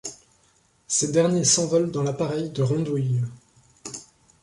Ces derniers s'envolent dans l'appareil de Rondouille.